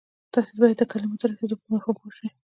تاسې بايد د کلماتو د رسېدو پر مفهوم پوه شئ.